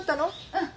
うん。